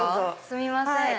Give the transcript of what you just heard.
すみません。